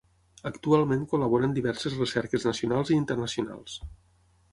Actualment col·labora en diverses recerques nacionals i internacionals.